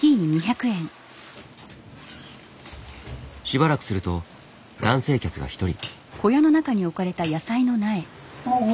しばらくすると男性客が一人。